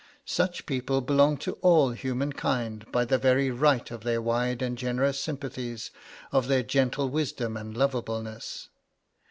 Such people belong to all humankind by the very right of their wide and generous sympathies, of their gentle wisdom and loveableness.